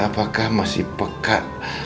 apakah masih pekat